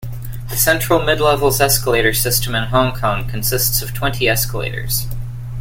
The Central-Midlevels escalator system in Hong Kong consists of twenty escalators.